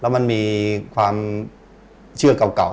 มันมีความเชื่อเก่า